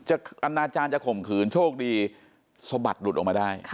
อนาจารย์จะข่มขืนโชคดีสะบัดหลุดออกมาได้